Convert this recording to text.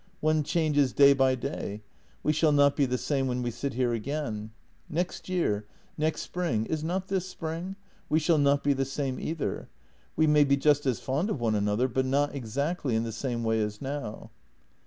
One changes day by day; we shall not be the same when we sit here again. Next year — next spring — is not this spring? — we shall not be the same either. We may be just as fond of one another, but not exactly in the same way as now."